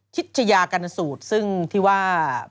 ชยากรณสูตรซึ่งที่ว่า